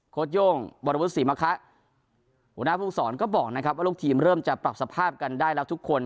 โย่งวรวุฒิศรีมะคะหัวหน้าภูมิสอนก็บอกนะครับว่าลูกทีมเริ่มจะปรับสภาพกันได้แล้วทุกคน